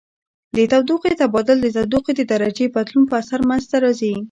د تودوخې تبادل د تودوخې د درجې بدلون په اثر منځ ته راځي.